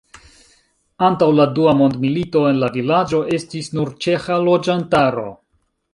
Antaŭ la dua mondmilito en la vilaĝo estis nur ĉeĥa loĝantaro.